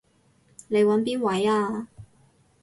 你搵邊位啊？